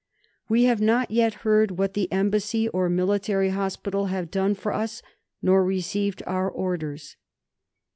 We have not yet heard what the Embassy or Military Hospital have done for us, nor received our orders.